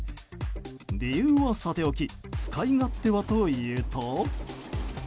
理由はさておき使い勝手はというと。